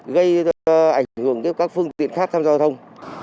gây ảnh hưởng đến các phương tiện khác tham gia giao thông